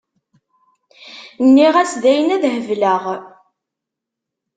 Nniɣ-as dayen ad hebleɣ.